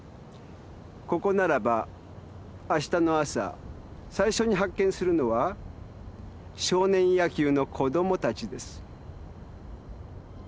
ここならばあしたの朝最初に発見するのは少年野球の子供たちです。